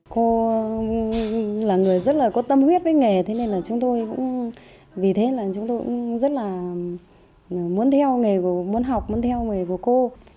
cô là người rất là có tâm huyết với nghề vì thế chúng tôi cũng rất là muốn theo nghề của cô